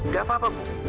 gak apa apa ibu